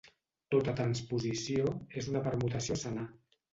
Tota transposició és una permutació senar.